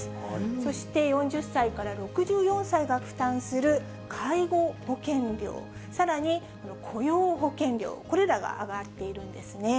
そして４０歳から６４歳が負担する介護保険料、さらにこの雇用保険料、これらが上がっているんですね。